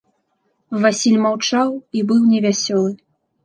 Васіль маўчаў і быў невясёлы.